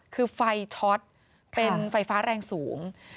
คือไฟช็อตเป็นไฟฟ้าแรงสูง